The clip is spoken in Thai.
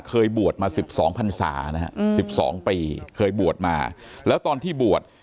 เคยบวชมาสิบสองพันศานะฮะอืมสิบสองปีเคยบวชมาแล้วตอนที่บวช